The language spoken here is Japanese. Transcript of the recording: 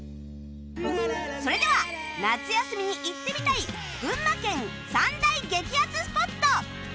それでは夏休みに行ってみたい群馬県３大激アツスポット